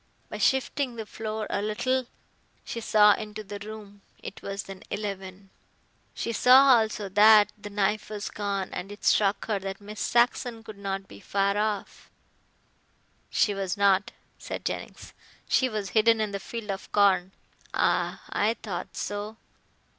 By shifting the floor a little she saw into the room. It was then eleven. She saw also that the knife was gone, and it struck her that Miss Saxon could not be far off." "She was not," said Jennings, "she was hidden in the field of corn." "Ah. I thought so.